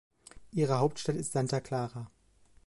Ihre Hauptstadt ist Santa Clara.